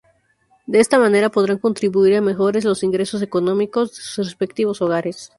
De esta manera, podrán contribuir a mejorar los ingresos económicos de sus respectivos hogares.